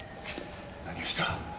何をした？